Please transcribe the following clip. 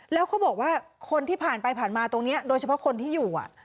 แล้วเขาบอกว่าคนที่ผ่านไปผ่านมาตรงนี้โดยเฉพาะคนที่อยู่